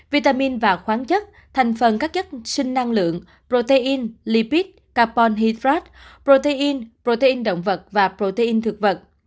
vitamin và khoáng chất thành phần các chất sinh năng lượng protein lipid capon hitrat protein protein động vật và protein thực vật